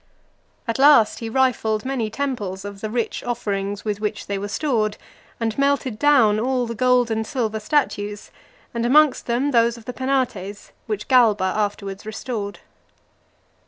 At last he rifled many temples of the rich offerings with which they were stored, and melted down all the gold and silver statues, and amongst them those of the penates , which Galba afterwards restored.